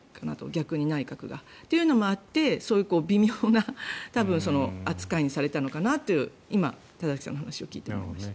逆に内閣が。というのもあって、微妙な扱いにされたのかなという今、田崎さんの話を聞いて思いました。